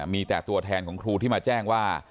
มีแต่ตัวแทนของครูที่มาแจ้งว่า